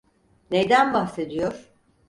Neyden bahsediyor?